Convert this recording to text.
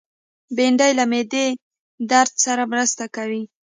بېنډۍ له معدې درد سره مرسته کوي